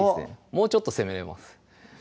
もうちょっと攻めれます